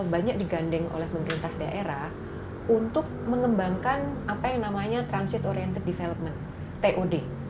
banyak digandeng oleh pemerintah daerah untuk mengembangkan apa yang namanya transit oriented development tod